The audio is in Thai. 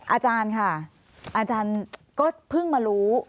อาจารย์ค่ะอาจารย์ก็เพิ่งมารู้